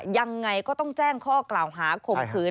ยังไงก็ต้องแจ้งข้อกล่าวหาข่มขืน